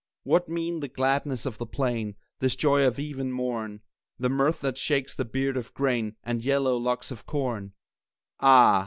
What mean the gladness of the plain, This joy of eve and morn, The mirth that shakes the beard of grain And yellow locks of corn? Ah!